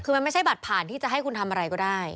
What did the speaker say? คือมันไม่ใช่บัตรผ่านที่จะให้คุณทำอะไรก็ได้